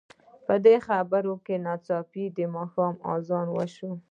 په دې خبرو کې ناڅاپه د ماښام اذان وشو.